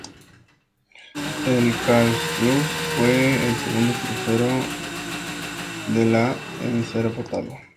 El "Karlsruhe" fue el segundo crucero de la en ser botado.